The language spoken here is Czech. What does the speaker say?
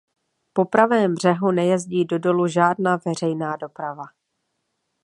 Po pravém břehu nejezdí do Dolu žádná veřejná doprava.